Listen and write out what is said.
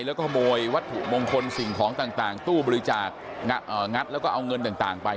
แล้วก็ขโมยวัตถุมงคลสิ่งของต่างตู้บริจาคงัดแล้วก็เอาเงินต่างไป